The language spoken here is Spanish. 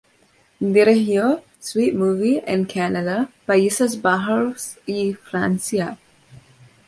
Dirigió "Sweet movie" en Canadá, Países Bajos y Francia.